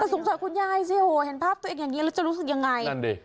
สงสารคุณยายสิโหเห็นภาพตัวเองอย่างนี้แล้วจะรู้สึกยังไงนั่นดิ